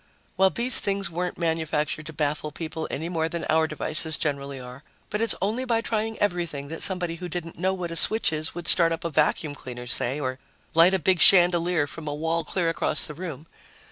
Well, these things weren't manufactured to baffle people, any more than our devices generally are. But it's only by trying everything that somebody who didn't know what a switch is would start up a vacuum cleaner, say, or light a big chandelier from a wall clear across the room.